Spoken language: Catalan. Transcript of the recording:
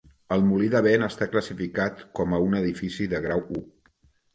El molí de vent està classificat com a un edifici de Grau U.